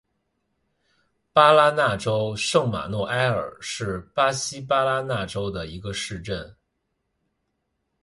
巴拉那州圣马诺埃尔是巴西巴拉那州的一个市镇。